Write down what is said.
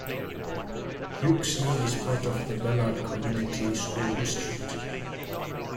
Huxley is part of the Ballard Community School District.